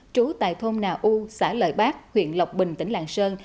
trú tại thôn nào u xã lợi bác huyện lộc bình tỉnh làng sơn